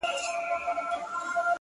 • نه هګۍ پرېږدي نه چرګه په کوڅه کي ,